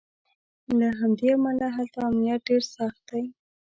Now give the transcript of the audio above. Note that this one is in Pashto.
له همدې امله هلته امنیت ډېر سخت دی.